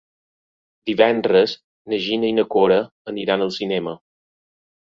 Divendres na Gina i na Cora aniran al cinema.